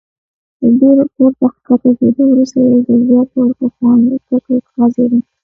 له ډېر پورته کښته کېدو وروسته یو ځل بیا پر پخواني کټ وغځېدم.